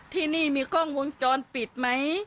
ที่นี่มีกล้องวงจรปิดไหม